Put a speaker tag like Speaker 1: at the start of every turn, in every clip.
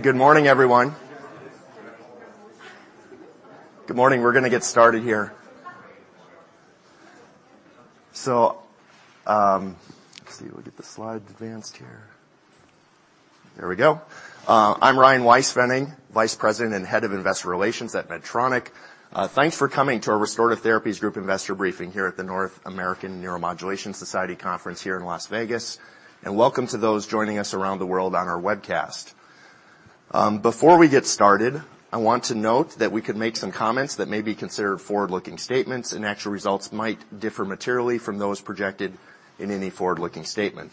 Speaker 1: Good morning, everyone. Good morning. We're going to get started here. Let's see. We'll get the slide advanced here. There we go. I'm Ryan Weispfenning, Vice President and Head of Investor Relations at Medtronic. Thanks for coming to our Restorative Therapies Group Investor Briefing here at the North American Neuromodulation Society conference here in Las Vegas. Welcome to those joining us around the world on our webcast. Before we get started, I want to note that we could make some comments that may be considered forward-looking statements, and actual results might differ materially from those projected in any forward-looking statement.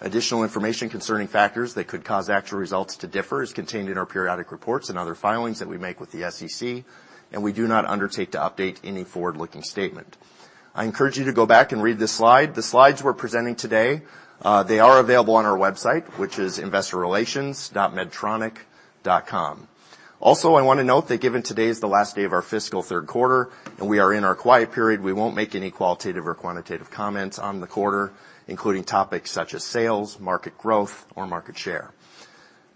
Speaker 1: Additional information concerning factors that could cause actual results to differ is contained in our periodic reports and other filings that we make with the SEC. We do not undertake to update any forward-looking statement. I encourage you to go back and read this slide. The slides we're presenting today, they are available on our website, which is investorrelations.medtronic.com. I want to note that given today is the last day of our fiscal third quarter and we are in our quiet period, we won't make any qualitative or quantitative comments on the quarter, including topics such as sales, market growth, or market share.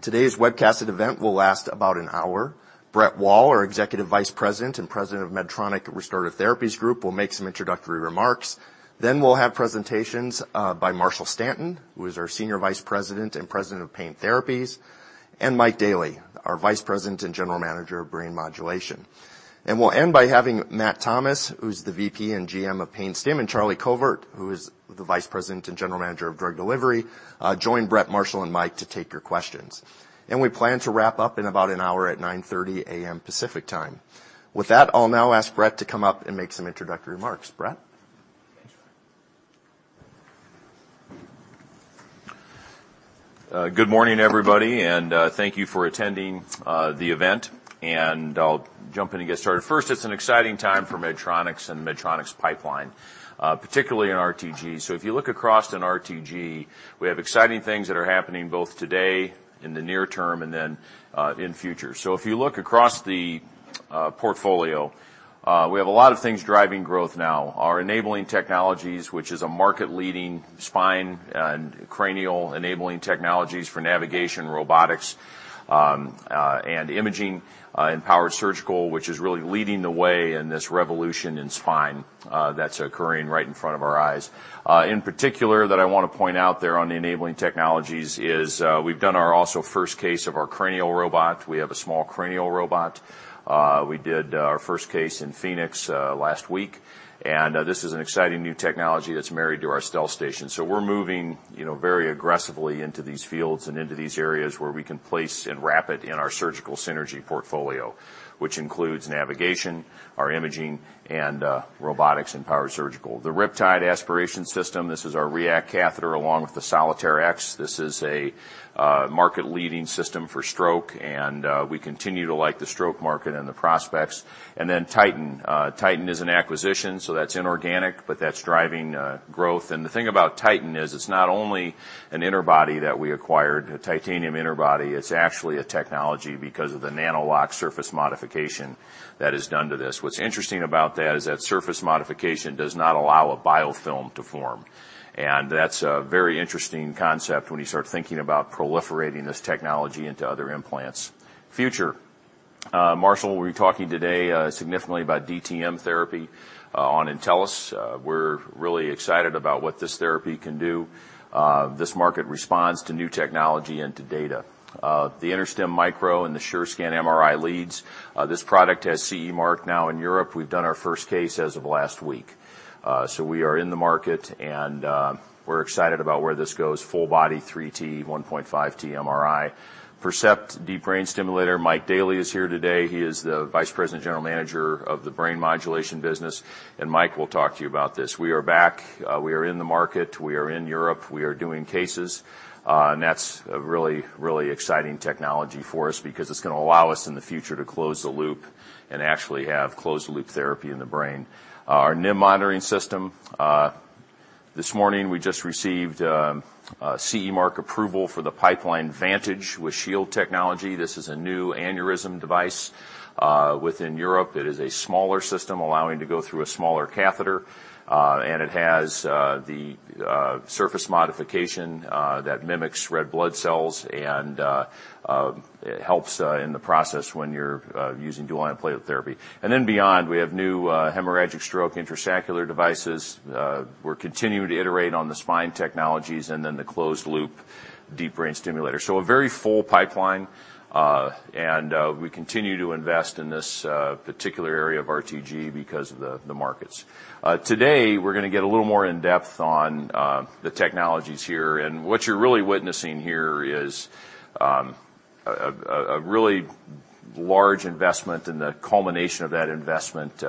Speaker 1: Today's webcasted event will last about an hour. Brett Wall, our Executive Vice President and President of Medtronic Restorative Therapies Group, will make some introductory remarks. We'll have presentations by Marshall Stanton, who is our Senior Vice President and President of Pain Therapies, and Mike Daly, our Vice President and General Manager of Brain Modulation. We'll end by having Matt Thomas, who's the VP and GM of Pain Stim, and Charlie Covert, who is the Vice President and General Manager of Drug Delivery, join Brett, Marshall, and Mike to take your questions. We plan to wrap up in about an hour at 9:30 A.M. Pacific Time. With that, I'll now ask Brett to come up and make some introductory remarks. Brett?
Speaker 2: Good morning, everybody, and thank you for attending the event. I'll jump in and get started. First, it's an exciting time for Medtronic and Medtronic's pipeline, particularly in RTG. If you look across in RTG, we have exciting things that are happening both today, in the near term, and then in future. If you look across the portfolio, we have a lot of things driving growth now. Our enabling technologies, which is a market-leading spine and cranial enabling technologies for navigation robotics and imaging and powered surgical, which is really leading the way in this revolution in spine that's occurring right in front of our eyes. In particular, that I want to point out there on the enabling technologies is we've done our also first case of our cranial robot. We have a small cranial robot. We did our first case in Phoenix last week. This is an exciting new technology that's married to our StealthStation. We're moving very aggressively into these fields and into these areas where we can place and wrap it in our Surgical Synergy portfolio, which includes navigation, our imaging, and robotics and powered surgical. The Riptide Aspiration System, this is our React catheter along with the Solitaire X. This is a market-leading system for stroke. We continue to like the stroke market and the prospects. Titan. Titan is an acquisition, that's inorganic, that's driving growth. The thing about Titan is it's not only an interbody that we acquired, a titanium interbody, it's actually a technology because of the nanoLOCK surface modification that is done to this. What's interesting about that is that surface modification does not allow a biofilm to form. That's a very interesting concept when you start thinking about proliferating this technology into other implants. Future. Marshall will be talking today significantly about DTM therapy on Intellis. We're really excited about what this therapy can do. This market responds to new technology and to data. The InterStim Micro and the SureScan MRI leads. This product has CE mark now in Europe. We've done our first case as of last week. We are in the market and we're excited about where this goes. Full body 3T, 1.5T MRI. Percept Deep Brain Stimulator. Mike Daly is here today. He is the Vice President, General Manager of the Brain Modulation business, and Mike will talk to you about this. We are back. We are in the market. We are in Europe. We are doing cases. That's a really, really exciting technology for us because it's going to allow us in the future to close the loop and actually have closed loop therapy in the brain. Our NIM monitoring system. This morning, we just received CE mark approval for the Pipeline Vantage with Shield Technology. This is a new aneurysm device within Europe. It is a smaller system allowing to go through a smaller catheter. It has the surface modification that mimics red blood cells and helps in the process when you're using dual antiplatelet therapy. Beyond, we have new hemorrhagic stroke intrasaccular devices. We're continuing to iterate on the spine technologies and then the closed loop deep brain stimulator. A very full pipeline, and we continue to invest in this particular area of RTG because of the markets. Today, we're going to get a little more in-depth on the technologies here. What you're really witnessing here is a really large investment and the culmination of that investment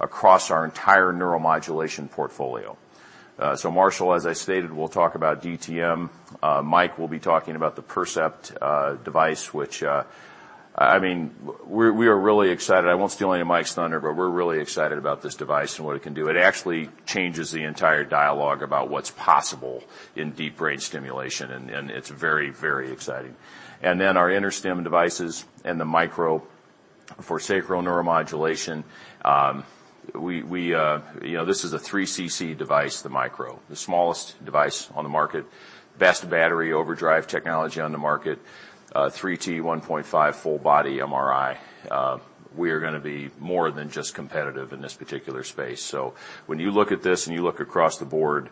Speaker 2: across our entire neuromodulation portfolio. Marshall, as I stated, will talk about DTM. Mike will be talking about the Percept device, which we are really excited. I won't steal any of Mike's thunder, but we're really excited about this device and what it can do. It actually changes the entire dialogue about what's possible in deep brain stimulation, and it's very, very exciting. Our InterStim devices and the Micro for sacral neuromodulation, this is a 3 cc device, the micro. The smallest device on the market. Best battery Overdrive technology on the market. 3T 1.5 full body MRI. We are going to be more than just competitive in this particular space. When you look at this and you look across the board,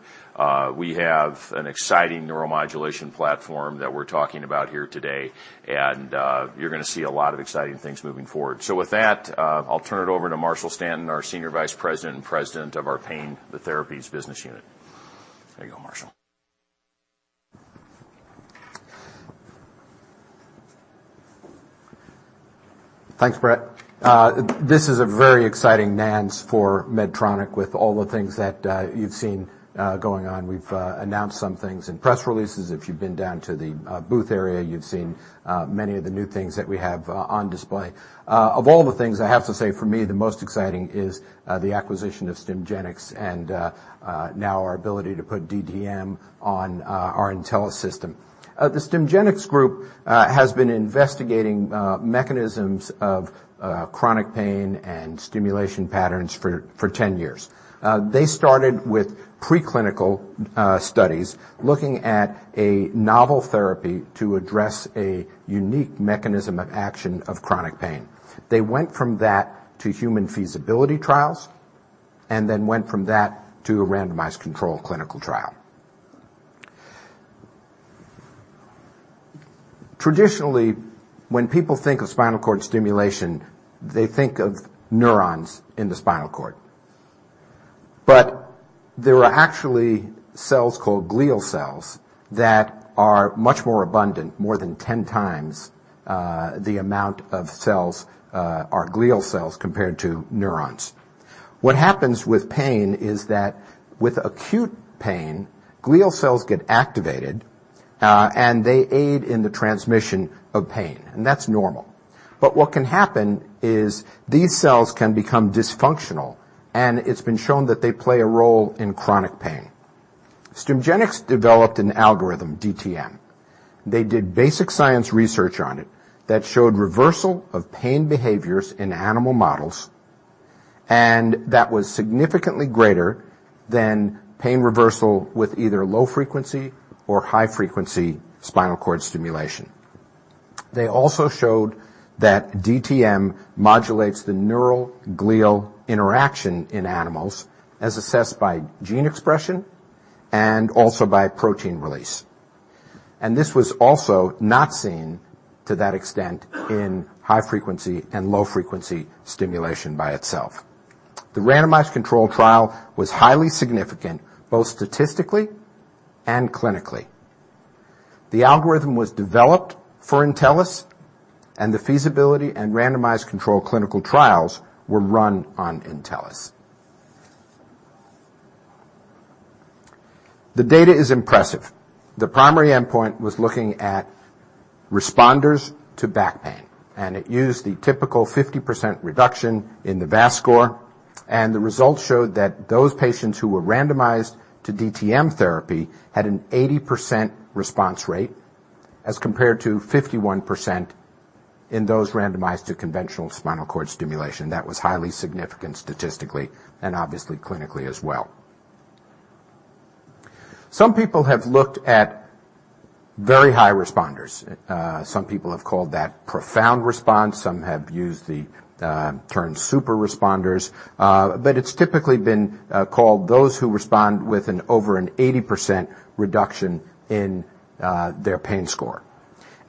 Speaker 2: we have an exciting neuromodulation platform that we're talking about here today, and you're going to see a lot of exciting things moving forward. With that, I'll turn it over to Marshall Stanton, our Senior Vice President and President of our Pain Therapies business unit. There you go, Marshall.
Speaker 3: Thanks, Brett. This is a very exciting NANS for Medtronic with all the things that you've seen going on. We've announced some things in press releases. If you've been down to the booth area, you've seen many of the new things that we have on display. Of all the things, I have to say for me, the most exciting is the acquisition of Stimgenics and now our ability to put DTM on our Intellis system. The Stimgenics group has been investigating mechanisms of chronic pain and stimulation patterns for 10 years. They started with pre-clinical studies looking at a novel therapy to address a unique mechanism of action of chronic pain. They went from that to human feasibility trials, and then went from that to a randomized controlled clinical trial. Traditionally, when people think of spinal cord stimulation, they think of neurons in the spinal cord. There are actually cells called glial cells that are much more abundant, more than 10 times the amount of cells are glial cells compared to neurons. What happens with pain is that with acute pain, glial cells get activated, and they aid in the transmission of pain, and that's normal. What can happen is these cells can become dysfunctional, and it's been shown that they play a role in chronic pain. Stimgenics developed an algorithm, DTM. They did basic science research on it that showed reversal of pain behaviors in animal models, and that was significantly greater than pain reversal with either low-frequency or high-frequency spinal cord stimulation. They also showed that DTM modulates the neural-glial interaction in animals, as assessed by gene expression and also by protein release. This was also not seen to that extent in high-frequency and low-frequency stimulation by itself. The randomized controlled trial was highly significant, both statistically and clinically. The algorithm was developed for Intellis, and the feasibility and randomized controlled clinical trials were run on Intellis. The data is impressive. The primary endpoint was looking at responders to back pain, and it used the typical 50% reduction in the VAS score, and the results showed that those patients who were randomized to DTM therapy had an 80% response rate as compared to 51% in those randomized to conventional spinal cord stimulation. That was highly significant statistically and obviously clinically as well. Some people have looked at very high responders. Some people have called that profound response. Some have used the term super responders. It's typically been called those who respond with over an 80% reduction in their pain score.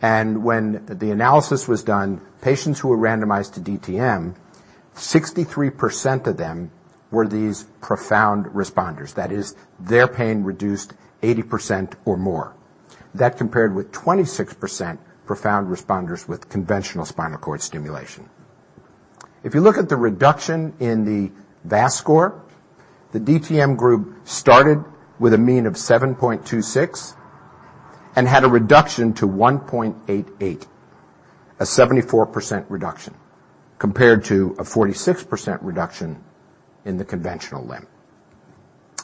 Speaker 3: When the analysis was done, patients who were randomized to DTM, 63% of them were these profound responders. That is, their pain reduced 80% or more. That compared with 26% profound responders with conventional spinal cord stimulation. If you look at the reduction in the VAS score, the DTM group started with a mean of 7.26 and had a reduction to 1.88, a 74% reduction, compared to a 46% reduction in the conventional limb.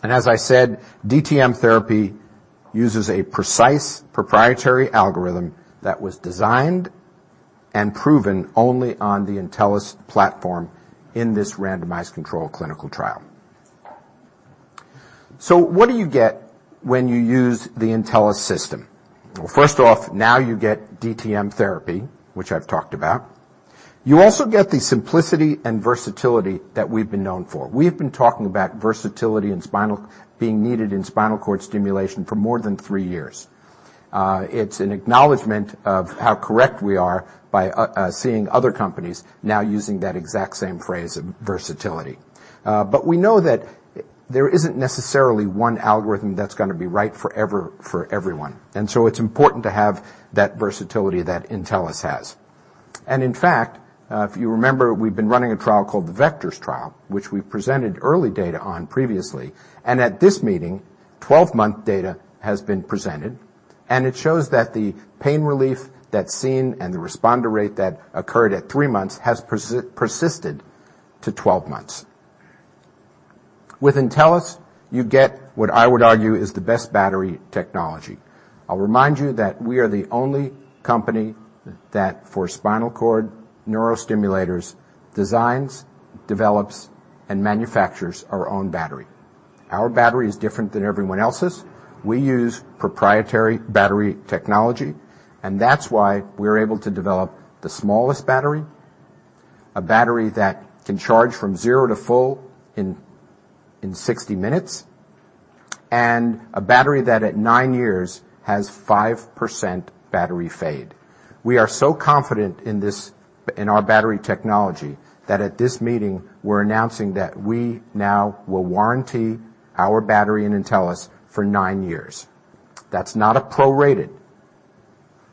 Speaker 3: As I said, DTM therapy uses a precise proprietary algorithm that was designed and proven only on the Intellis platform in this randomized controlled clinical trial. What do you get when you use the Intellis system? Well, first off, now you get DTM therapy, which I've talked about. You also get the simplicity and versatility that we've been known for. We have been talking about versatility being needed in spinal cord stimulation for more than three years. It's an acknowledgment of how correct we are by seeing other companies now using that exact same phrase of versatility. We know that there isn't necessarily one algorithm that's going to be right forever for everyone. So it's important to have that versatility that Intellis has. In fact, if you remember, we've been running a trial called the VECTORS trial, which we've presented early data on previously. At this meeting, 12-month data has been presented, and it shows that the pain relief that's seen and the responder rate that occurred at three months has persisted to 12 months. With Intellis, you get what I would argue is the best battery technology. I'll remind you that we are the only company that for spinal cord neurostimulators designs, develops, and manufactures our own battery. Our battery is different than everyone else's. We use proprietary battery technology. That's why we're able to develop the smallest battery, a battery that can charge from zero to full in 60 minutes, and a battery that at nine years has 5% battery fade. We are so confident in our battery technology that at this meeting, we're announcing that we now will warranty our battery in Intellis for nine years. That's not a prorated.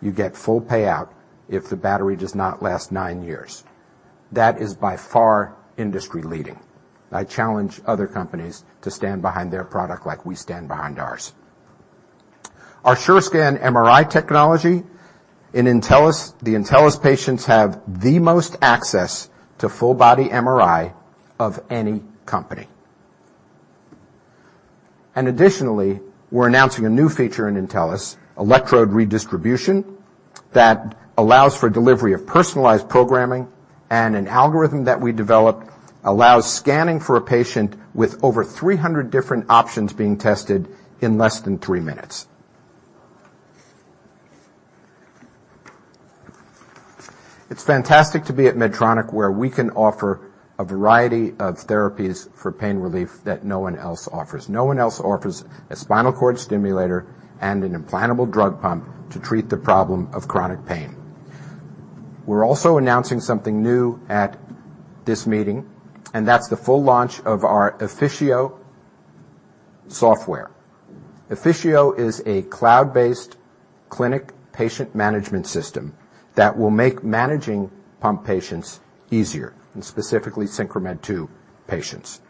Speaker 3: You get full payout if the battery does not last nine years. That is by far industry-leading. I challenge other companies to stand behind their product like we stand behind ours. Our SureScan MRI technology in Intellis, the Intellis patients have the most access to full-body MRI of any company. Additionally, we're announcing a new feature in Intellis, electrode redistribution, that allows for delivery of personalized programming and an algorithm that we developed allows scanning for a patient with over 300 different options being tested in less than three minutes. It's fantastic to be at Medtronic where we can offer a variety of therapies for pain relief that no one else offers. No one else offers a spinal cord stimulator and an implantable drug pump to treat the problem of chronic pain. We're also announcing something new at this meeting, and that's the full launch of our Efficio software. Efficio is a cloud-based clinic patient management system that will make managing pump patients easier, and specifically SynchroMed II patients.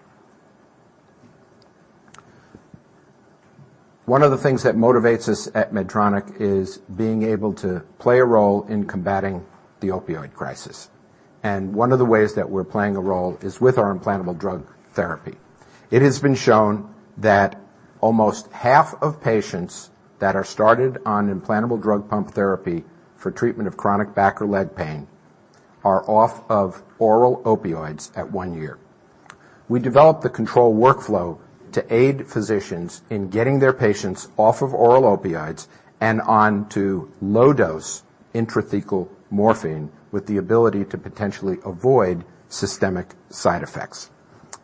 Speaker 3: One of the things that motivates us at Medtronic is being able to play a role in combating the opioid crisis. One of the ways that we're playing a role is with our implantable drug therapy. It has been shown that almost half of patients that are started on implantable drug pump therapy for treatment of chronic back or leg pain are off of oral opioids at one year. We developed the Control Workflow to aid physicians in getting their patients off of oral opioids and onto low-dose intrathecal morphine with the ability to potentially avoid systemic side effects.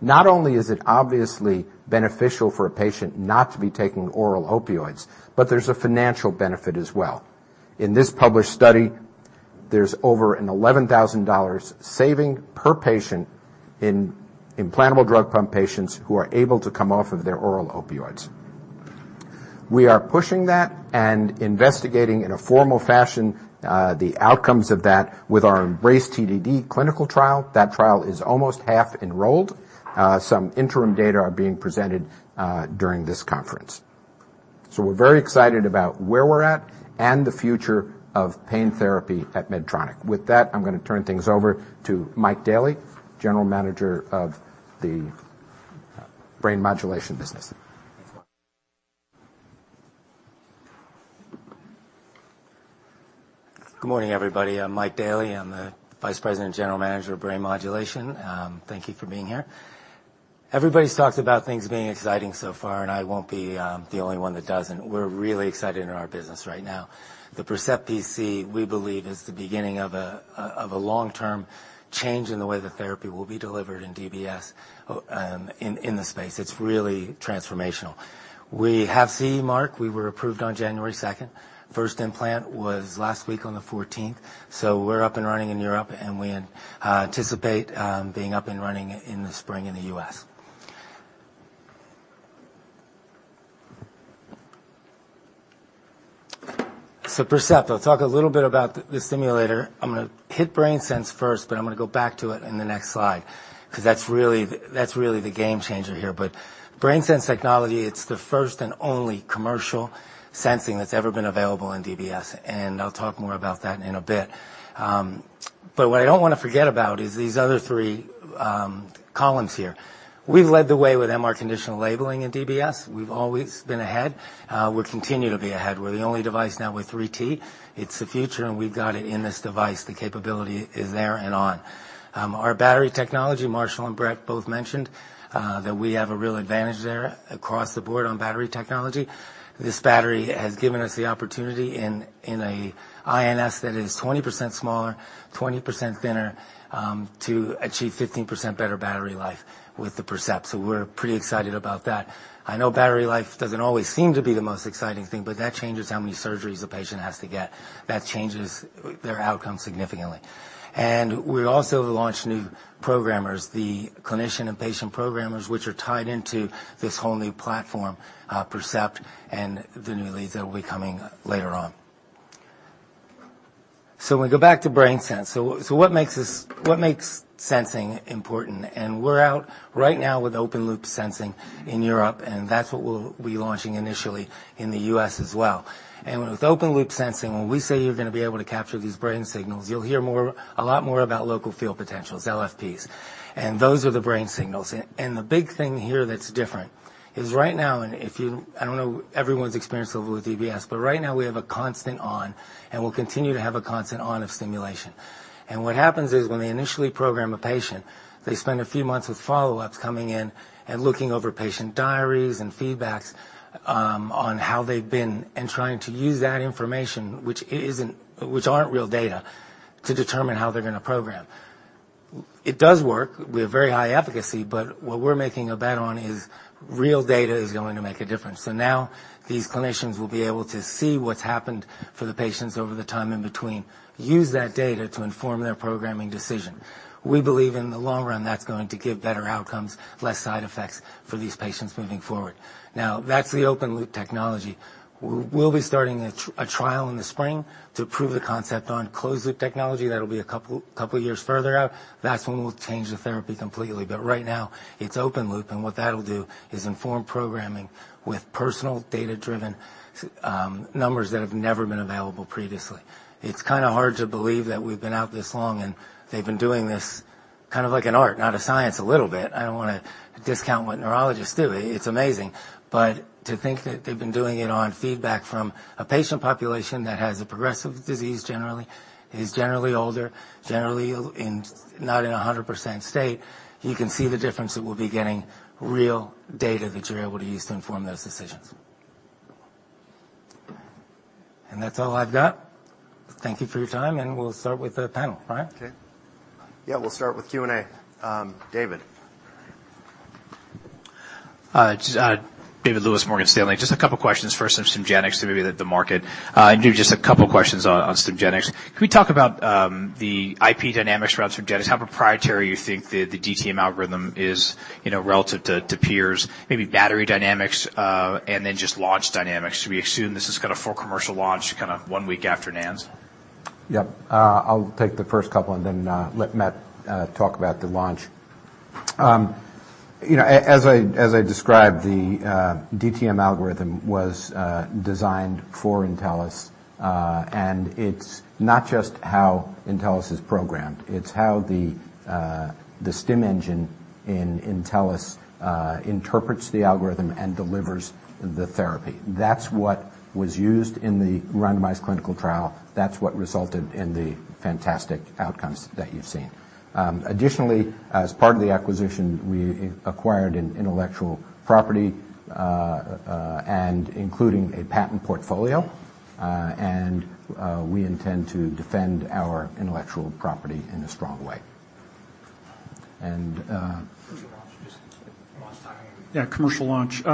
Speaker 3: Not only is it obviously beneficial for a patient not to be taking oral opioids, but there's a financial benefit as well. In this published study, there's over an $11,000 saving per patient in implantable drug pump patients who are able to come off of their oral opioids. We are pushing that and investigating in a formal fashion, the outcomes of that with our Embrace TDD clinical trial. That trial is almost half enrolled. Some interim data are being presented during this conference. We're very excited about where we're at and the future of pain therapy at Medtronic. With that, I'm going to turn things over to Mike Daly, General Manager of the Brain Modulation business.
Speaker 4: Thanks, Marshall. Good morning, everybody. I'm Mike Daly. I'm the Vice President and General Manager of Brain Modulation. Thank you for being here. Everybody's talked about things being exciting so far, and I won't be the only one that doesn't. We're really excited in our business right now. The Percept PC, we believe is the beginning of a long-term change in the way that therapy will be delivered in DBS, in the space. It's really transformational. We have CE Mark. We were approved on January 2nd. First implant was last week on the 14th. We're up and running in Europe, and we anticipate being up and running in the spring in the U.S. Percept. I'll talk a little bit about the simulator. I'm going to hit BrainSense first, but I'm going to go back to it in the next slide because that's really the game changer here. BrainSense technology, it's the first and only commercial sensing that's ever been available in DBS, and I'll talk more about that in a bit. What I don't want to forget about is these other three columns here. We've led the way with MR conditional labeling in DBS. We've always been ahead. We'll continue to be ahead. We're the only device now with 3T. It's the future, and we've got it in this device. The capability is there and on. Our battery technology, Marshall and Brett both mentioned that we have a real advantage there across the board on battery technology. This battery has given us the opportunity in a INS that is 20% smaller, 20% thinner, to achieve 15% better battery life with the Percept. We're pretty excited about that. I know battery life doesn't always seem to be the most exciting thing, but that changes how many surgeries a patient has to get. That changes their outcome significantly. We also launched new programmers, the clinician and patient programmers, which are tied into this whole new platform, Percept, and the new leads that will be coming later on. We go back to BrainSense. What makes sensing important? We're out right now with open-loop sensing in Europe, and that's what we'll be launching initially in the U.S. as well. With open-loop sensing, when we say you're going to be able to capture these brain signals, you'll hear a lot more about local field potentials, LFPs. Those are the brain signals. The big thing here that's different is right now, and I don't know everyone's experience level with DBS, but right now we have a constant on, and we'll continue to have a constant on of stimulation. What happens is when they initially program a patient, they spend a few months with follow-ups coming in and looking over patient diaries and feedbacks on how they've been and trying to use that information, which aren't real data, to determine how they're going to program. It does work with very high efficacy, but what we're making a bet on is real data is going to make a difference. Now these clinicians will be able to see what's happened for the patients over the time in between, use that data to inform their programming decision. We believe in the long run, that's going to give better outcomes, less side effects for these patients moving forward. That's the open-loop technology. We'll be starting a trial in the spring to prove the concept on closed-loop technology. That'll be a couple of years further out. That's when we'll change the therapy completely. Right now it's open loop, and what that'll do is inform programming with personal data-driven numbers that have never been available previously. It's kind of hard to believe that we've been out this long, and they've been doing this kind of like an art, not a science a little bit. I don't want to discount what neurologists do. It's amazing. To think that they've been doing it on feedback from a patient population that has a progressive disease generally, is generally older, generally not in 100% state. You can see the difference it will be getting real data that you're able to use to inform those decisions. That's all I've got. Thank you for your time. We'll start with the panel. Ryan?
Speaker 1: Okay. Yeah, we'll start with Q&A. David.
Speaker 5: David Lewis, Morgan Stanley. Just a couple of questions first on Stimgenics, maybe the market. Maybe just a couple of questions on Stimgenics. Can we talk about the IP dynamics around Stimgenics? How proprietary you think the DTM algorithm is relative to peers, maybe battery dynamics, and then just launch dynamics. Should we assume this has got a full commercial launch kind of one week after NANS?
Speaker 3: Yep. I'll take the first couple and then let Matt talk about the launch. As I described, the DTM algorithm was designed for Intellis. It's not just how Intellis is programmed, it's how the stim engine in Intellis interprets the algorithm and delivers the therapy. That's what was used in the randomized clinical trial. That's what resulted in the fantastic outcomes that you've seen. Additionally, as part of the acquisition, we acquired intellectual property, and including a patent portfolio. We intend to defend our intellectual property in a strong way.
Speaker 2: Commercial launch. Just launch timing.
Speaker 6: Yeah, commercial launch.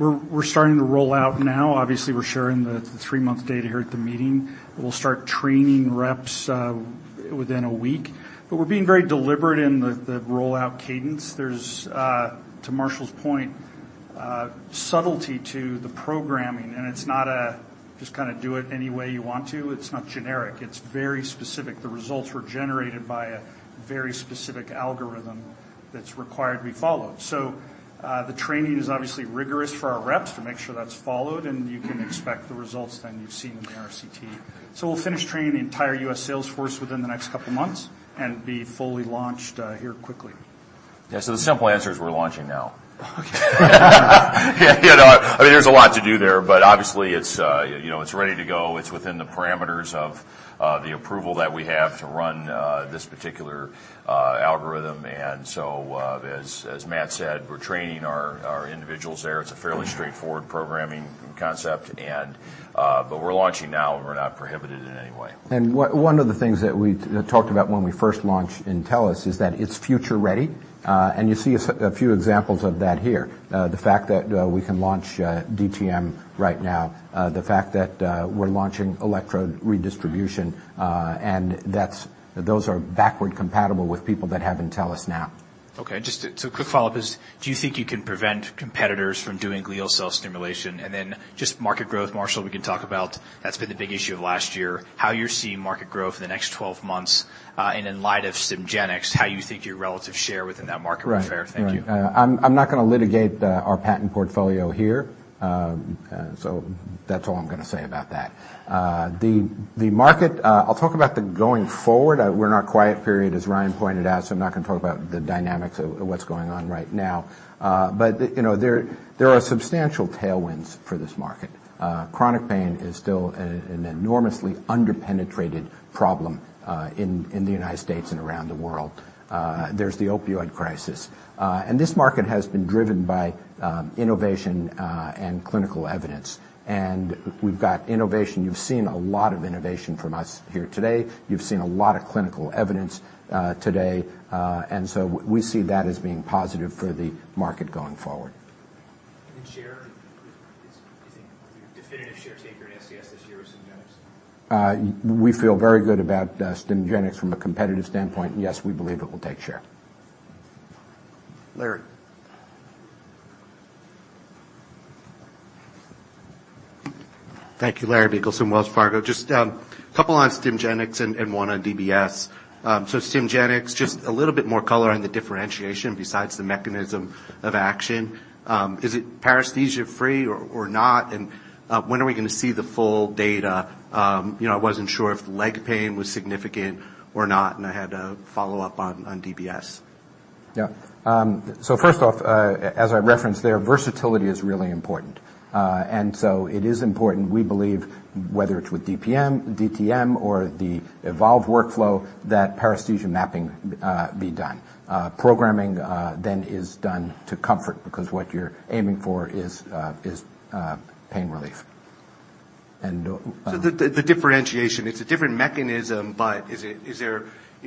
Speaker 6: We're starting to roll out now. Obviously, we're sharing the three-month data here at the meeting. We'll start training reps within a week. We're being very deliberate in the rollout cadence. There's, to Marshall's point, a subtlety to the programming, and it's not a just kind of do it any way you want to. It's not generic. It's very specific. The results were generated by a very specific algorithm that's required to be followed. The training is obviously rigorous for our reps to make sure that's followed, and you can expect the results than you've seen in the RCT. We'll finish training the entire U.S. sales force within the next couple of months and be fully launched here quickly.
Speaker 2: Yeah. The simple answer is we're launching now. There's a lot to do there, but obviously it's ready to go. It's within the parameters of the approval that we have to run this particular algorithm. As Matt said, we're training our individuals there. It's a fairly straightforward programming concept. We're launching now, and we're not prohibited in any way.
Speaker 3: One of the things that we talked about when we first launched Intellis is that it's future ready. You see a few examples of that here. The fact that we can launch DTM right now, the fact that we're launching electrode redistribution, and those are backward compatible with people that have Intellis now.
Speaker 5: Okay. A quick follow-up is, do you think you can prevent competitors from doing glial cell stimulation? Just market growth, Marshall, we can talk about that's been the big issue of last year, how you're seeing market growth in the next 12 months, and in light of Stimgenics, how you think your relative share within that market will fare? Thank you.
Speaker 3: Right. I'm not going to litigate our patent portfolio here. That's all I'm going to say about that. The market, I'll talk about going forward. We're in our quiet period, as Ryan pointed out. I'm not going to talk about the dynamics of what's going on right now. There are substantial tailwinds for this market. Chronic pain is still an enormously under-penetrated problem in the U.S. and around the world. There's the opioid crisis. This market has been driven by innovation and clinical evidence. We've got innovation. You've seen a lot of innovation from us here today. You've seen a lot of clinical evidence today. We see that as being positive for the market going forward.
Speaker 5: Share? Do you think your definitive share taker in SCS this year is Stimgenics?
Speaker 3: We feel very good about Stimgenics from a competitive standpoint. Yes, we believe it will take share. Larry.
Speaker 7: Thank you. Larry Biegelsen from Wells Fargo. Just a couple on StimGenics and one on DBS. StimGenics, just a little bit more color on the differentiation besides the mechanism of action. Is it paresthesia-free or not, and when are we going to see the full data? I wasn't sure if leg pain was significant or not, and I had a follow-up on DBS.
Speaker 3: Yeah. First off, as I referenced there, versatility is really important. It is important, we believe, whether it's with DTM or the Evolve workflow, that paresthesia mapping be done. Programming then is done to comfort, because what you're aiming for is pain relief.
Speaker 7: The differentiation, it's a different mechanism, but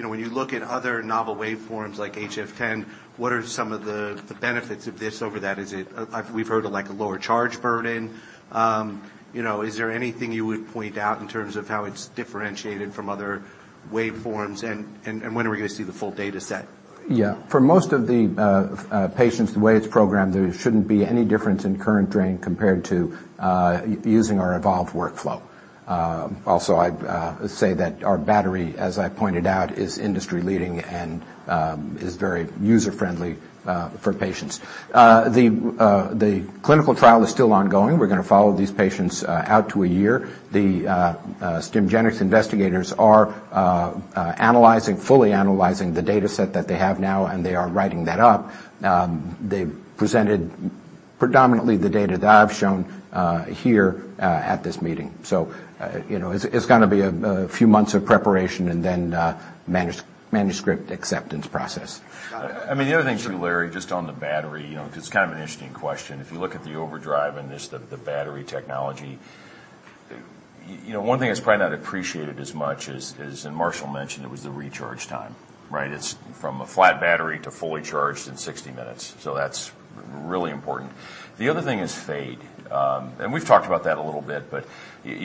Speaker 7: when you look at other novel waveforms like HF10, what are some of the benefits of this over that? We've heard of a lower charge burden. Is there anything you would point out in terms of how it's differentiated from other waveforms, and when are we going to see the full data set?
Speaker 3: Yeah. For most of the patients, the way it's programmed, there shouldn't be any difference in current drain compared to using our Evolve workflow. I'd say that our battery, as I pointed out, is industry-leading and is very user-friendly for patients. The clinical trial is still ongoing. We're going to follow these patients out to a year. The Stimgenics investigators are fully analyzing the data set that they have now, and they are writing that up. They've presented predominantly the data that I've shown here at this meeting. It's going to be a few months of preparation and then manuscript acceptance process.
Speaker 7: Got it.
Speaker 2: The other thing too, Larry, just on the battery, because it's kind of an interesting question. If you look at the Overdrive and just the battery technology, one thing that's probably not appreciated as much is, and Marshall mentioned, it was the recharge time, right? It's from a flat battery to fully charged in 60 minutes. That's really important. The other thing is fade. We've talked about that a little bit, but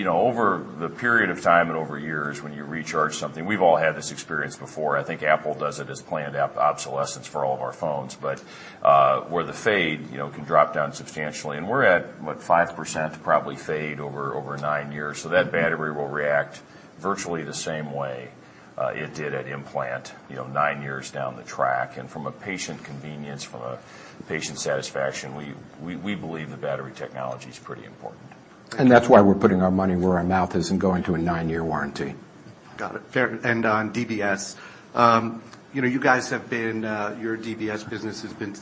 Speaker 2: over the period of time and over years, when you recharge something, we've all had this experience before. I think Apple does it as planned app obsolescence for all of our phones. Where the fade can drop down substantially, and we're at, what, 5% probably fade over nine years. That battery will react virtually the same way it did at implant nine years down the track. From a patient convenience, from a patient satisfaction, we believe the battery technology is pretty important.
Speaker 3: That's why we're putting our money where our mouth is and going to a nine-year warranty.
Speaker 7: Got it. Fair. On DBS, your DBS business has been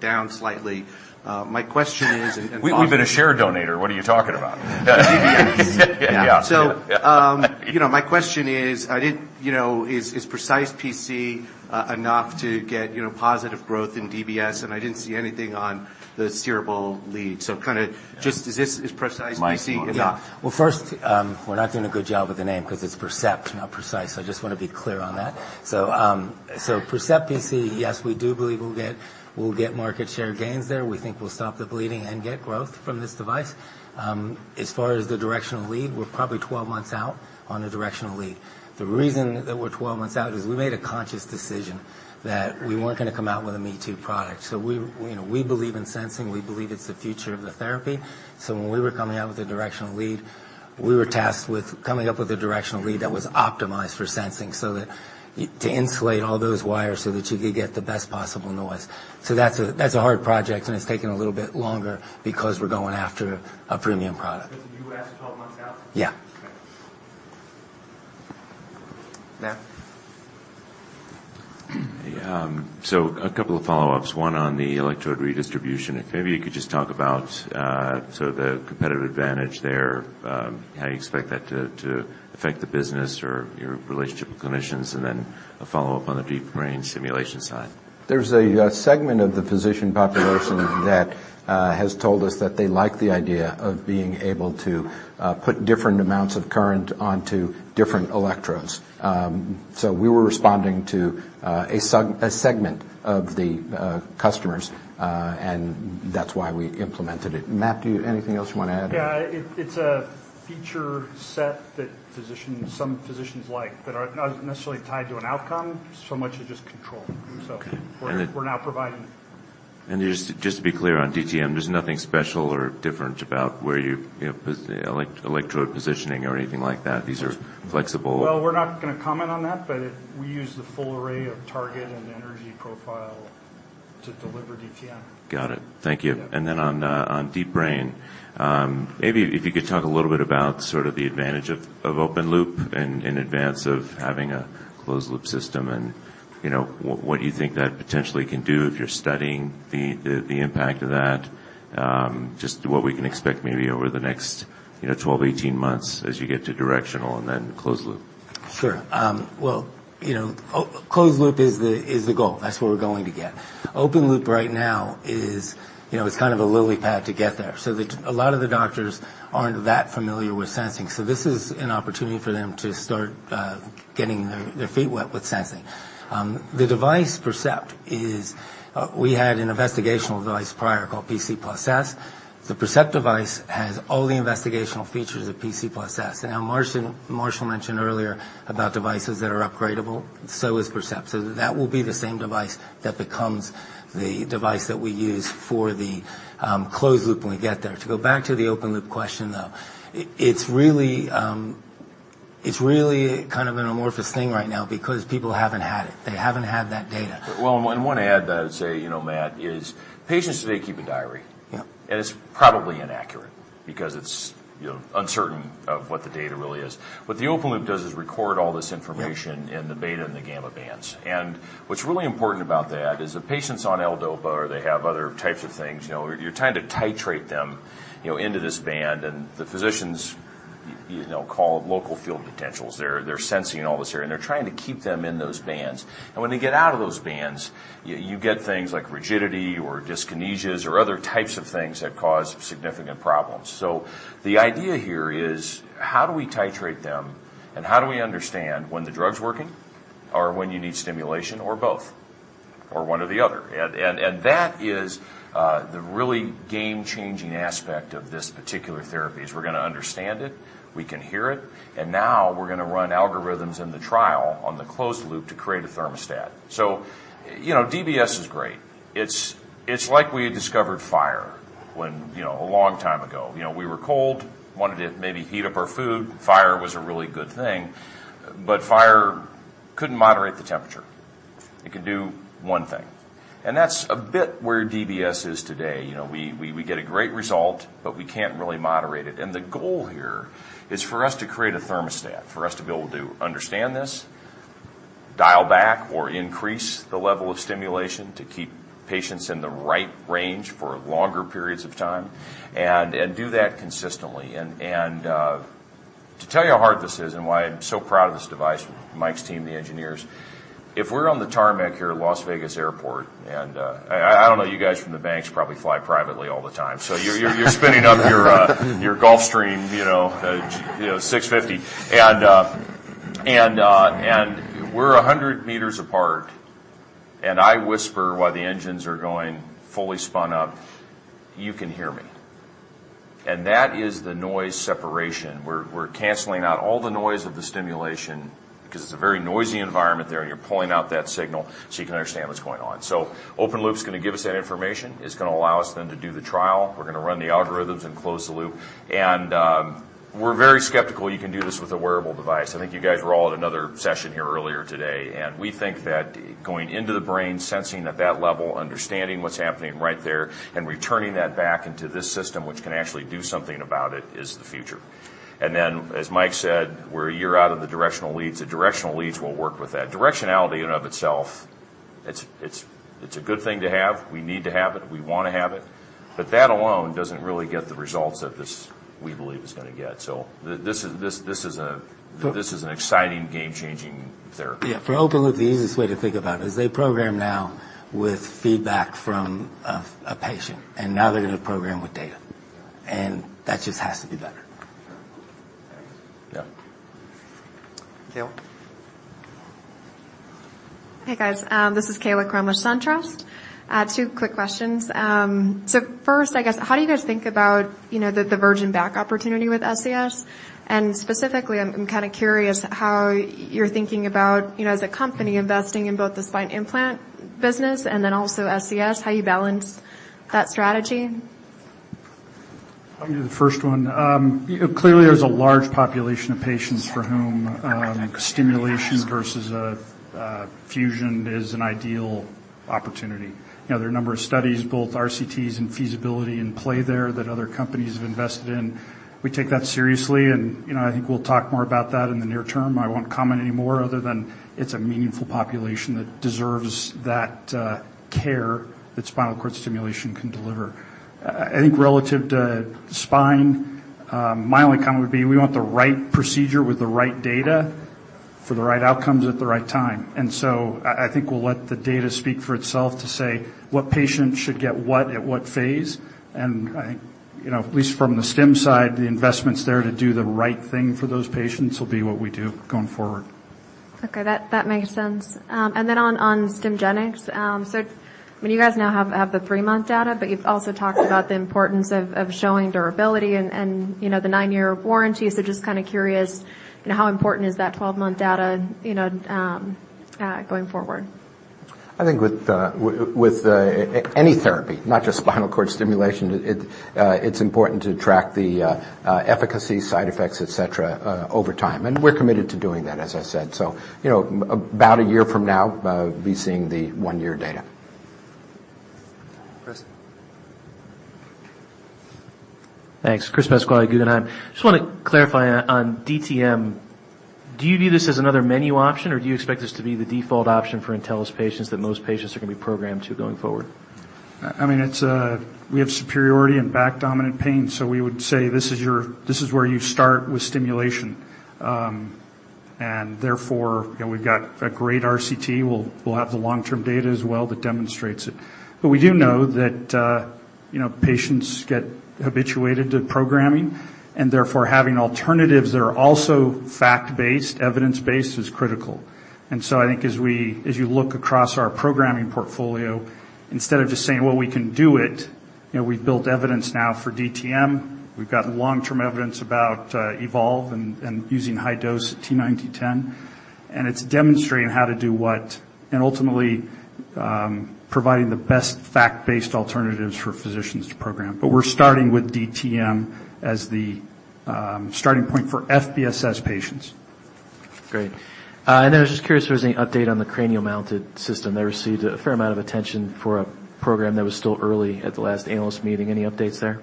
Speaker 7: down slightly. My question is.
Speaker 2: We've been a share donator. What are you talking about?
Speaker 7: DBS.
Speaker 2: Yeah.
Speaker 7: My question is Percept PC enough to get positive growth in DBS? I didn't see anything on the steerable lead. Kind of just, is Percept PC enough?
Speaker 3: Mike, you want to.
Speaker 4: Yeah. Well, first, we're not doing a good job with the name because it's Percept, not Precise. I just want to be clear on that. Percept PC, yes, we do believe we'll get market share gains there. We think we'll stop the bleeding and get growth from this device. As far as the directional lead, we're probably 12 months out on a directional lead. The reason that we're 12 months out is we made a conscious decision that we weren't going to come out with a me-too product. We believe in sensing. We believe it's the future of the therapy. When we were coming out with a directional lead, we were tasked with coming up with a directional lead that was optimized for sensing, to insulate all those wires so that you could get the best possible noise. That's a hard project, and it's taken a little bit longer because we're going after a premium product.
Speaker 7: You guys are 12 months out?
Speaker 4: Yeah.
Speaker 7: Okay.
Speaker 3: Matt?
Speaker 8: A couple of follow-ups, one on the electrode redistribution. If maybe you could just talk about the competitive advantage there, how you expect that to affect the business or your relationship with clinicians, and then a follow-up on the deep brain stimulation side?
Speaker 3: There's a segment of the physician population that has told us that they like the idea of being able to put different amounts of current onto different electrodes. We were responding to a segment of the customers, and that's why we implemented it. Matt, anything else you want to add?
Speaker 6: It's a feature set that some physicians like, but not necessarily tied to an outcome so much as just control.
Speaker 8: Okay.
Speaker 6: We're now providing-
Speaker 8: Just to be clear on DTM, there's nothing special or different about where you put the electrode positioning or anything like that. These are flexible.
Speaker 6: We're not going to comment on that, but we use the full array of target and energy profile to deliver DTM.
Speaker 8: Got it. Thank you.
Speaker 6: Yeah.
Speaker 8: On deep brain, maybe if you could talk a little bit about sort of the advantage of open loop in advance of having a closed loop system and what you think that potentially can do if you're studying the impact of that, just what we can expect maybe over the next 12, 18 months as you get to directional and then closed loop?
Speaker 4: Sure. Well, closed loop is the goal. That's what we're going to get. Open loop right now is kind of a lily pad to get there. A lot of the doctors aren't that familiar with sensing. This is an opportunity for them to start getting their feet wet with sensing. The device, Percept, we had an investigational device prior called PC+S. The Percept device has all the investigational features of PC+S. Now Marshall mentioned earlier about devices that are upgradable. Is Percept. That will be the same device that becomes the device that we use for the closed loop when we get there. To go back to the open loop question, though, it's really. It's really kind of an amorphous thing right now because people haven't had it. They haven't had that data.
Speaker 2: Well, one add that I'd say, Matt, is patients today keep a diary.
Speaker 4: Yeah.
Speaker 2: It's probably inaccurate because it's uncertain of what the data really is. What the open loop does is record all this information.
Speaker 4: Yeah
Speaker 2: in the beta and the gamma bands. What's really important about that is the patients on levodopa, or they have other types of things, you're trying to titrate them into this band, and the physicians call it local field potentials. They're sensing all this here, and they're trying to keep them in those bands. When they get out of those bands, you get things like rigidity or dyskinesias or other types of things that cause significant problems. The idea here is how do we titrate them and how do we understand when the drug's working or when you need stimulation or both, or one or the other? That is the really game-changing aspect of this particular therapy, is we're going to understand it. We can hear it. Now we're going to run algorithms in the trial on the closed loop to create a thermostat. DBS is great. It's like we had discovered fire a long time ago. We were cold, wanted to maybe heat up our food. Fire was a really good thing. Fire couldn't moderate the temperature. It could do one thing. That's a bit where DBS is today. We get a great result, but we can't really moderate it. The goal here is for us to create a thermostat, for us to be able to understand this, dial back or increase the level of stimulation to keep patients in the right range for longer periods of time, and do that consistently. To tell you how hard this is and why I'm so proud of this device, Mike's team, the engineers, if we're on the tarmac here at Las Vegas Airport and, I don't know, you guys from the banks probably fly privately all the time. You're spinning up your Gulfstream G650. We're 100 meters apart, and I whisper while the engines are going fully spun up. You can hear me. That is the noise separation. We're canceling out all the noise of the stimulation because it's a very noisy environment there, and you're pulling out that signal so you can understand what's going on. Open loop's going to give us that information. It's going to allow us then to do the trial. We're going to run the algorithms and close the loop. We're very skeptical you can do this with a wearable device. I think you guys were all at another session here earlier today. We think that going into the brain, sensing at that level, understanding what's happening right there, and returning that back into this system, which can actually do something about it, is the future. As Mike said, we're a year out of the directional leads. The directional leads will work with that. Directionality in and of itself, it's a good thing to have. We need to have it. We want to have it. That alone doesn't really get the results that this, we believe, is going to get. This is an exciting game-changing therapy.
Speaker 4: Yeah. For open loop, the easiest way to think about it is they program now with feedback from a patient, and now they're going to program with data. That just has to be better.
Speaker 2: Yeah.
Speaker 1: Kaila.
Speaker 9: Hey, guys. This is Kaila Krum, SunTrust. Two quick questions. First, I guess, how do you guys think about the virgin back opportunity with SCS? Specifically, I'm kind of curious how you're thinking about, as a company investing in both the spine implant business and then also SCS, how you balance that strategy.
Speaker 6: I'll do the first one. Clearly, there's a large population of patients for whom stimulation versus a fusion is an ideal opportunity. There are a number of studies, both RCTs and feasibility in play there that other companies have invested in. We take that seriously, and I think we'll talk more about that in the near term. I won't comment any more other than it's a meaningful population that deserves that care that spinal cord stimulation can deliver. I think relative to spine, my only comment would be we want the right procedure with the right data for the right outcomes at the right time. I think we'll let the data speak for itself to say what patient should get what at what phase. I think at least from the Stim side, the investments there to do the right thing for those patients will be what we do going forward.
Speaker 9: Okay. That makes sense. On Stimgenics, I mean, you guys now have the three-month data, but you've also talked about the importance of showing durability and the nine-year warranty. Just kind of curious, how important is that 12-month data going forward?
Speaker 2: I think with any therapy, not just spinal cord stimulation, it's important to track the efficacy, side effects, et cetera, over time, and we're committed to doing that, as I said. About a year from now, we'll be seeing the one-year data.
Speaker 1: Chris.
Speaker 10: Thanks. Chris Pasquale, Guggenheim. Just want to clarify on DTM. Do you view this as another menu option, or do you expect this to be the default option for Intellis patients that most patients are going to be programmed to going forward?
Speaker 6: We have superiority in back dominant pain, so we would say this is where you start with stimulation. Therefore, we've got a great RCT. We'll have the long-term data as well that demonstrates it. We do know that patients get habituated to programming, and therefore having alternatives that are also fact-based, evidence-based is critical. I think as you look across our programming portfolio, instead of just saying, "Well, we can do it," we've built evidence now for DTM. We've got long-term evidence about Evolve and using high dose T9 T10. It's demonstrating how to do what, and ultimately, providing the best fact-based alternatives for physicians to program. We're starting with DTM as the starting point for FBSS patients.
Speaker 10: Great. I was just curious if there was any update on the cranial mounted system. That received a fair amount of attention for a program that was still early at the last analyst meeting. Any updates there?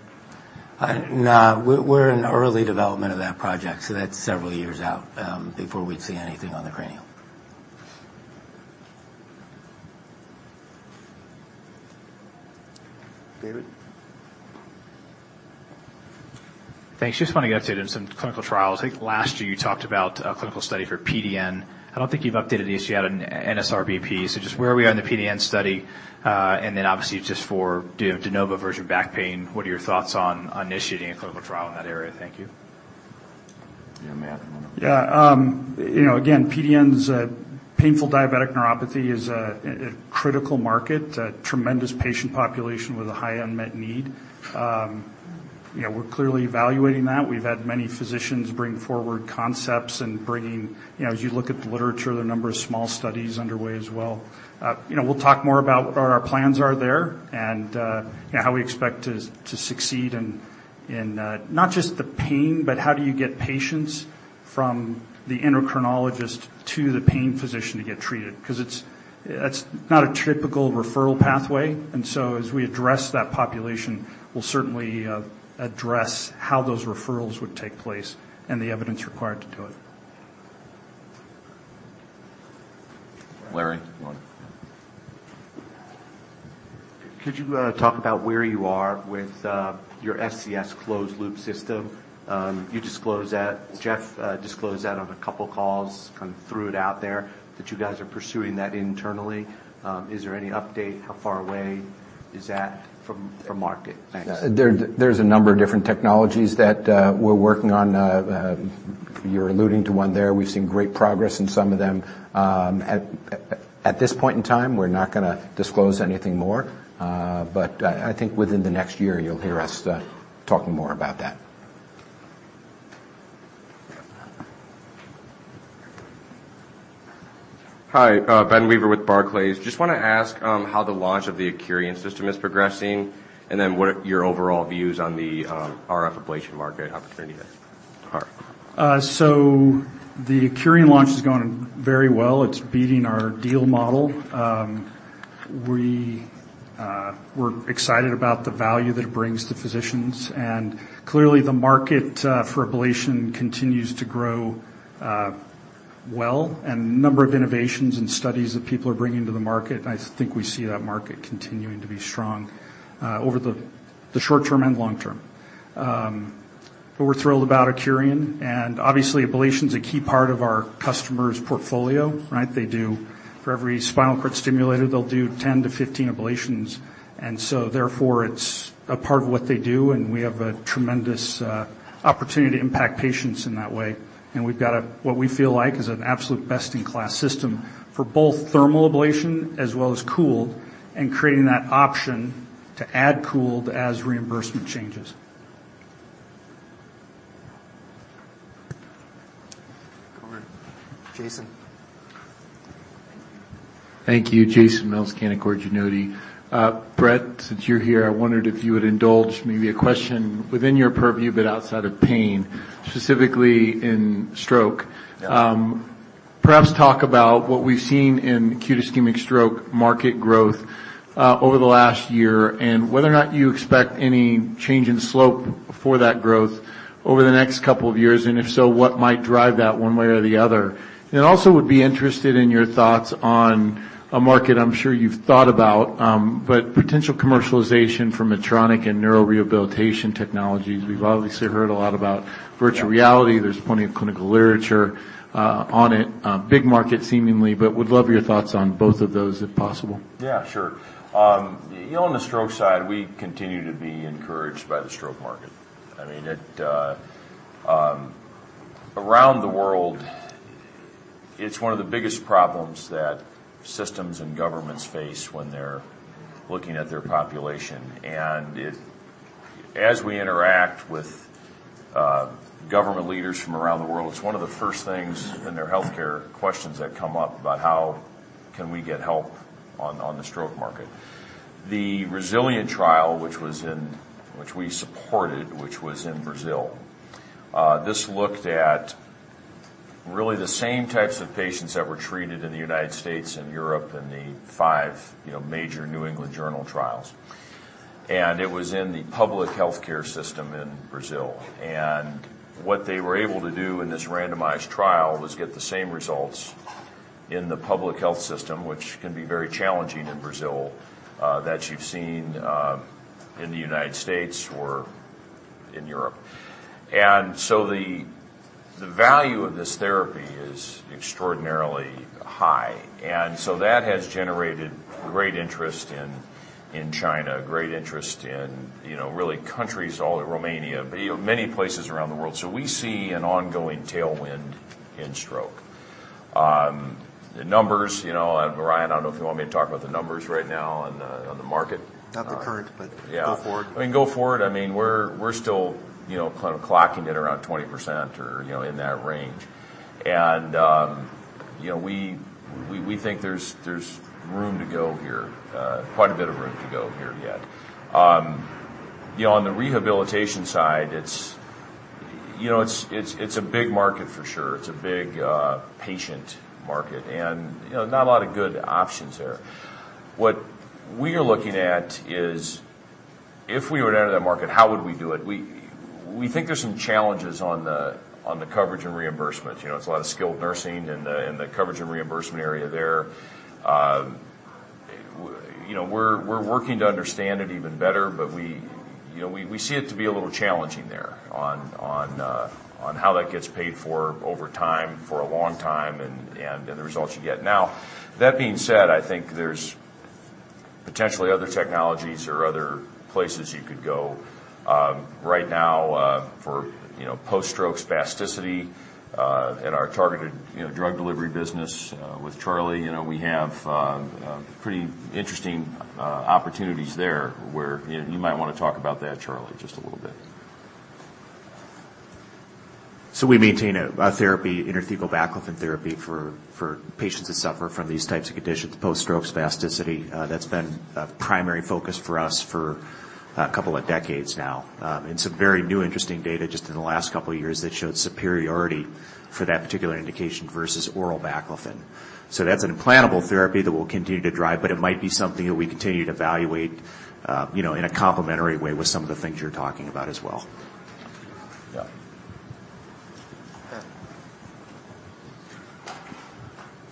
Speaker 3: No. We're in early development of that project. That's several years out, before we'd see anything on the cranial.
Speaker 1: David?
Speaker 5: Thanks. Just wondering if you had an update on some clinical trials. I think last year you talked about a clinical study for PDN. I don't think you've updated us yet on NSRBP. Just where are we on the PDN study? Obviously just for de novo virgin back pain, what are your thoughts on initiating a clinical trial in that area? Thank you.
Speaker 2: Yeah, Matt?
Speaker 6: Yeah. Again, PDN, painful diabetic neuropathy, is a critical market, a tremendous patient population with a high unmet need. We're clearly evaluating that. We've had many physicians bring forward concepts. As you look at the literature, there are a number of small studies underway as well. We'll talk more about what our plans are there and how we expect to succeed in not just the pain, but how do you get patients from the endocrinologist to the pain physician to get treated, because that's not a typical referral pathway. As we address that population, we'll certainly address how those referrals would take place and the evidence required to do it.
Speaker 1: Larry? Go on.
Speaker 7: Could you talk about where you are with your SCS closed-loop system? You disclosed that, Geoff disclosed that on a couple calls, kind of threw it out there that you guys are pursuing that internally. Is there any update? How far away is that from market? Thanks.
Speaker 3: There's a number of different technologies that we're working on. You're alluding to one there. We've seen great progress in some of them. At this point in time, we're not going to disclose anything more. I think within the next year you'll hear us talking more about that.
Speaker 11: Hi. Ben Weaver with Barclays. Just want to ask how the launch of the Accurian system is progressing, and then what are your overall views on the RF ablation market opportunity there are?
Speaker 6: The Accurian launch has gone very well. It's beating our deal model. We're excited about the value that it brings to physicians. Clearly the market for ablation continues to grow well, a number of innovations and studies that people are bringing to the market. I think we see that market continuing to be strong over the short term and long term. We're thrilled about Accurian. Obviously ablation's a key part of our customer's portfolio, right? For every spinal cord stimulator, they'll do 10-15 ablations. Therefore it's a part of what they do and we have a tremendous opportunity to impact patients in that way. We've got what we feel like is an absolute best-in-class system for both thermal ablation as well as cooled, creating that option to add cooled as reimbursement changes.
Speaker 1: Go on. Jason.
Speaker 12: Thank you. Jason Mills, Canaccord Genuity. Brett, since you're here, I wondered if you would indulge maybe a question within your purview, but outside of pain, specifically in stroke.
Speaker 2: Yeah.
Speaker 12: Perhaps talk about what we've seen in acute ischemic stroke market growth over the last year, and whether or not you expect any change in slope for that growth over the next couple of years, and if so, what might drive that one way or the other. Also would be interested in your thoughts on a market I'm sure you've thought about, but potential commercialization for Medtronic in neurorehabilitation technologies. We've obviously heard a lot about virtual reality. There's plenty of clinical literature on it. A big market seemingly. Would love your thoughts on both of those if possible.
Speaker 2: Yeah, sure. On the stroke side, we continue to be encouraged by the stroke market. I mean, around the world, it's one of the biggest problems that systems and governments face when they're looking at their population. As we interact with government leaders from around the world, it's one of the first things in their healthcare questions that come up about how can we get help on the stroke market. The RESILIENT trial, which we supported, which was in Brazil, this looked at really the same types of patients that were treated in the U.S. and Europe in the five major New England Journal trials. It was in the public healthcare system in Brazil. What they were able to do in this randomized trial was get the same results in the public health system, which can be very challenging in Brazil, that you've seen in the United States or in Europe. The value of this therapy is extraordinarily high, and so that has generated great interest in China, great interest in really countries, Romania, many places around the world. We see an ongoing tailwind in stroke. The numbers, Ryan, I don't know if you want me to talk about the numbers right now on the market.
Speaker 1: Not the current, but.
Speaker 2: Yeah
Speaker 1: go forward.
Speaker 2: I mean, go forward, we're still kind of clocking it around 20% or in that range. We think there's room to go here, quite a bit of room to go here yet. On the rehabilitation side, it's a big market for sure. It's a big patient market, and not a lot of good options there. What we are looking at is, if we were to enter that market, how would we do it? We think there's some challenges on the coverage and reimbursement. It's a lot of skilled nursing in the coverage and reimbursement area there. We're working to understand it even better, but we see it to be a little challenging there on how that gets paid for over time, for a long time, and the results you get. Now, that being said, I think there's potentially other technologies or other places you could go. Right now, for post-stroke spasticity in our Targeted Drug Delivery business with Charlie, we have pretty interesting opportunities there where you might want to talk about that, Charlie, just a little bit.
Speaker 13: We maintain a therapy, intrathecal baclofen therapy, for patients that suffer from these types of conditions, post-stroke spasticity. That's been a primary focus for us for a couple of decades now. Some very new interesting data just in the last couple of years that showed superiority for that particular indication versus oral baclofen. That's an implantable therapy that we'll continue to drive, but it might be something that we continue to evaluate in a complementary way with some of the things you're talking about as well.
Speaker 2: Yeah.
Speaker 1: Matt.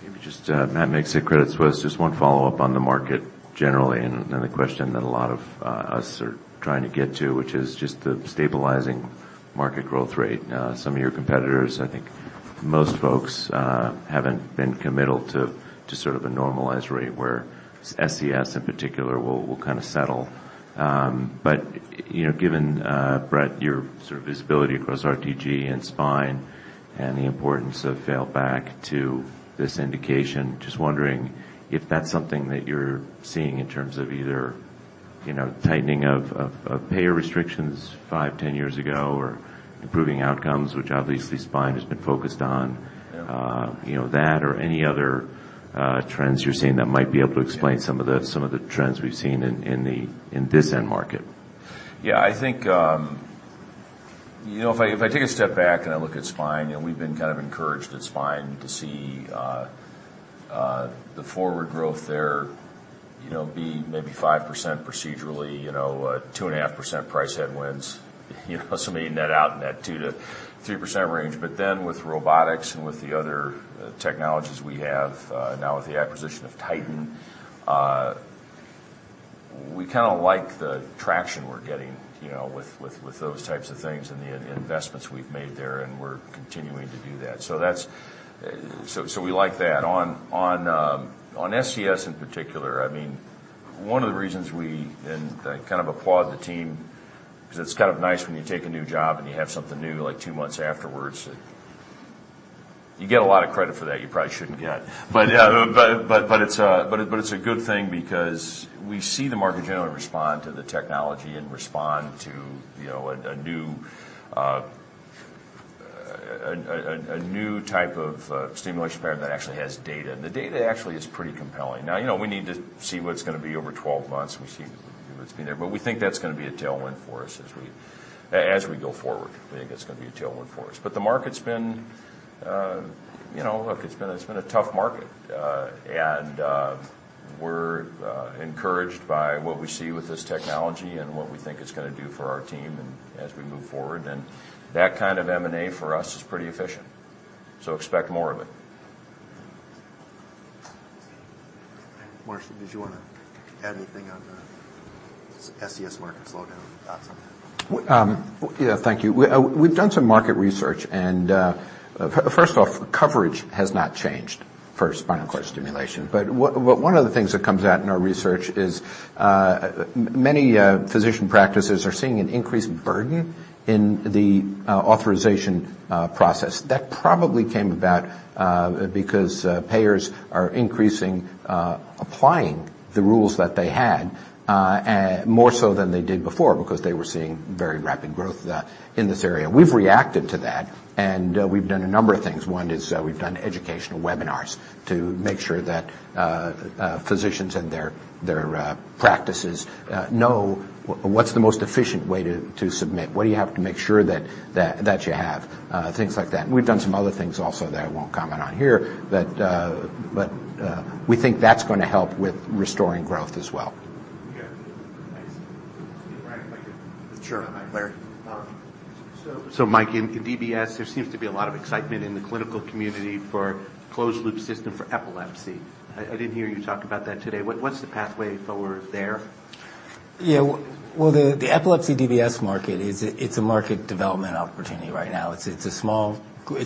Speaker 8: Maybe just, Matthew McSweeney, Credit Suisse. Just one follow-up on the market generally, and then a question that a lot of us are trying to get to, which is just the stabilizing market growth rate. Some of your competitors, I think most folks haven't been committal to sort of a normalized rate where SCS in particular will kind of settle. Given, Brett, your sort of visibility across RTG and spine and the importance of FBSS to this indication, just wondering if that's something that you're seeing in terms of either tightening of payer restrictions five, 10 years ago or improving outcomes, which obviously spine has been focused on.
Speaker 2: Yeah.
Speaker 8: That or any other trends you're seeing that might be able to explain some of the trends we've seen in this end market.
Speaker 2: Yeah, I think, if I take a step back and I look at spine, we've been kind of encouraged at spine to see the forward growth there be maybe 5% procedurally, 2.5% price headwinds, so maybe net out in that 2%-3% range. With robotics and with the other technologies we have, now with the acquisition of Titan, we kind of like the traction we're getting with those types of things and the investments we've made there, and we're continuing to do that. We like that. On SCS in particular, one of the reasons I kind of applaud the team because it's kind of nice when you take a new job and you have something new, like two months afterwards. You get a lot of credit for that you probably shouldn't get. It's a good thing because we see the market generally respond to the technology and respond to a new type of stimulation parameter that actually has data, and the data actually is pretty compelling. Now, we need to see what it's going to be over 12 months, and we see what's been there. We think that's going to be a tailwind for us as we go forward. We think it's going to be a tailwind for us. The market's been a tough market, and we're encouraged by what we see with this technology and what we think it's going to do for our team and as we move forward. That kind of M&A for us is pretty efficient, so expect more of it.
Speaker 1: Marshall, did you want to add anything on the SCS market slowdown, thoughts on that?
Speaker 3: Yeah. Thank you. We've done some market research. First off, coverage has not changed for spinal cord stimulation. One of the things that comes out in our research is many physician practices are seeing an increased burden in the authorization process. That probably came about because payers are increasing applying the rules that they had, more so than they did before because they were seeing very rapid growth in this area. We've reacted to that. We've done a number of things. One is we've done educational webinars to make sure that physicians and their practices know what's the most efficient way to submit, what do you have to make sure that you have, things like that. We've done some other things also that I won't comment on here. We think that's going to help with restoring growth as well.
Speaker 1: Yeah. Thanks.
Speaker 7: Ryan, if I could.
Speaker 1: Sure.
Speaker 7: --one on Mike Larry. Mike, in DBS, there seems to be a lot of excitement in the clinical community for closed-loop system for epilepsy. I didn't hear you talk about that today. What's the pathway forward there?
Speaker 4: Yeah. Well, the epilepsy DBS market, it's a market development opportunity right now. It's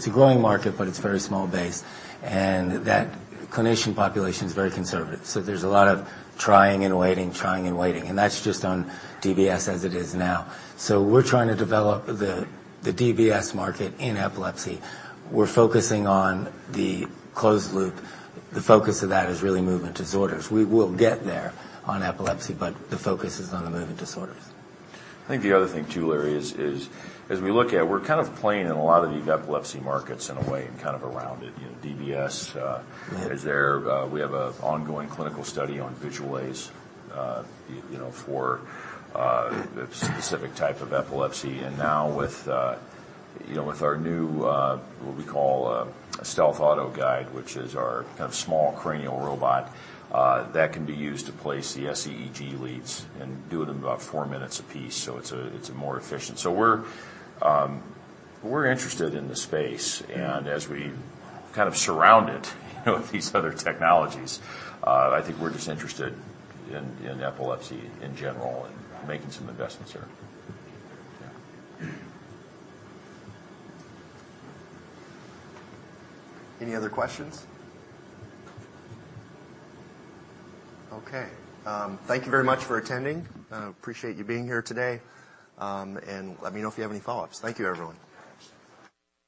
Speaker 4: a growing market, but it's very small base, and that clinician population is very conservative. There's a lot of trying and waiting, trying and waiting, and that's just on DBS as it is now. We're trying to develop the DBS market in epilepsy. We're focusing on the closed loop. The focus of that is really movement disorders. We will get there on epilepsy, but the focus is on the movement disorders.
Speaker 2: I think the other thing too, Larry, is as we look at it, we're kind of playing in a lot of these epilepsy markets in a way and kind of around it. DBS is there. We have an ongoing clinical study on Visualase for a specific type of epilepsy. Now with our new what we call a Stealth Autoguide, which is our kind of small cranial robot, that can be used to place the SEEG leads and do it in about four minutes a piece, so it's more efficient. We're interested in the space, and as we kind of surround it with these other technologies, I think we're just interested in epilepsy in general and making some investments there.
Speaker 1: Yeah. Any other questions? Okay. Thank you very much for attending. I appreciate you being here today. Let me know if you have any follow-ups. Thank you, everyone.